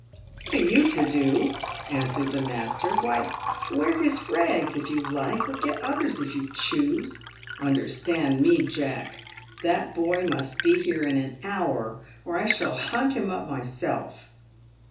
" What are you to do ?" answered the master ;" why, wear his rags, if you like, or get others, if you choose. Understand me, Jack — that boy must be here in an hour, or I shall hunt him up myself."